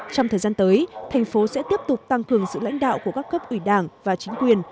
trong thời gian tới thành phố sẽ tiếp tục tăng cường sự lãnh đạo của các cấp ủy đảng và chính quyền